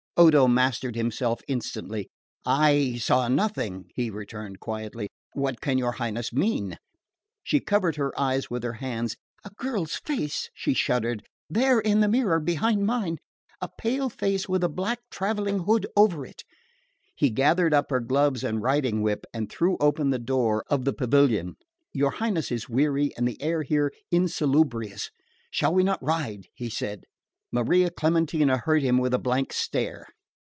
Odo mastered himself instantly. "I saw nothing," he returned quietly. "What can your Highness mean?" She covered her eyes with her hands. "A girl's face," she shuddered "there in the mirror behind mine a pale face with a black travelling hood over it " He gathered up her gloves and riding whip and threw open the door of the pavilion. "Your Highness is weary and the air here insalubrious. Shall we not ride?" he said. Maria Clementina heard him with a blank stare.